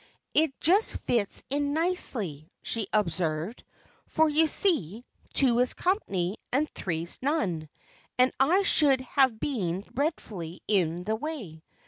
"It just fits in nicely," she observed; "for, you see, two is company, and three's none, and I should have been dreadfully in the way.